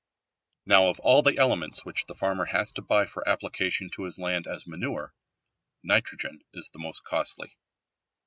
Now of all the elements which the farmer has to buy for application to his land as manure, nitrogen is the most costly.